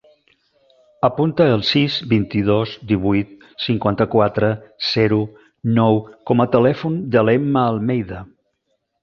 Apunta el sis, vint-i-dos, divuit, cinquanta-quatre, zero, nou com a telèfon de l'Emma Almeida.